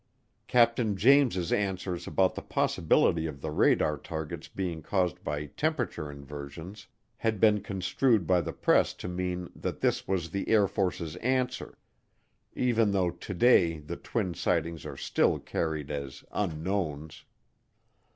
Captain James's answers about the possibility of the radar targets' being caused by temperature inversions had been construed by the press to mean that this was the Air Force's answer, even though today the twin sightings are still carried as unknowns.